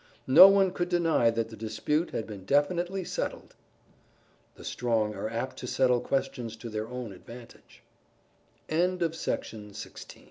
No one could deny that the dispute had been definitely settled. _The strong are apt to settle questions to their own advantag